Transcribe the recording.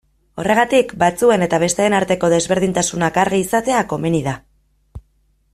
Horregatik, batzuen eta besteen arteko desberdintasunak argi izatea komeni da.